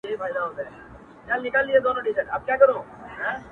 يوه خبره كـوم نــوري مــــي پـــه يـــاد كــــي نــــــــه دي ـ